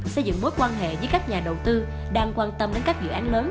xây dựng mối quan hệ với các nhà đầu tư đang quan tâm đến các dự án lớn